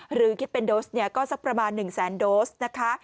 หรือคิดเป็นโดสต์ก็สักประมาณ๑๐๐๐๐๐โดสต์นะคะ